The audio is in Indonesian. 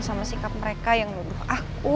sama sikap mereka yang nuduh aku